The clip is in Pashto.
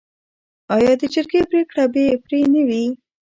آیا د جرګې پریکړه بې پرې نه وي؟